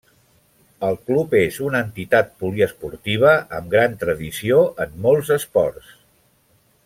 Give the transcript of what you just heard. El club és una entitat poliesportiva amb gran tradició en molts esports.